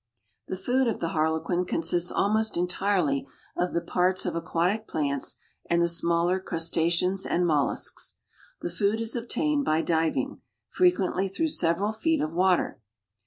The food of the Harlequin consists almost entirely of the parts of aquatic plants and the smaller crustaceans and mollusks. The food is obtained by diving, frequently through several feet of water.